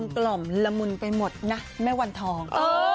กล่อมละมุนไปหมดนะแม่วันทอง